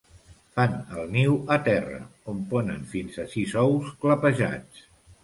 Fan el niu a terra, on ponen fins a sis ous clapejats.